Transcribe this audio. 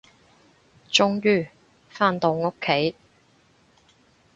終於，返到屋企